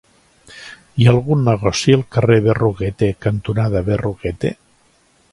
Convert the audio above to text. Hi ha algun negoci al carrer Berruguete cantonada Berruguete?